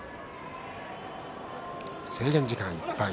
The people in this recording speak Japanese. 制限時間いっぱい。